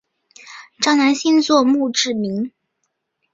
赵南星作墓志铭。